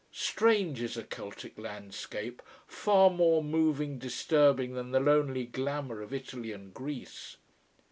Strange is a Celtic landscape, far more moving, disturbing than the lovely glamor of Italy and Greece.